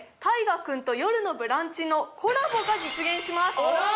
タイガくんと「よるのブランチ」のコラボが実現します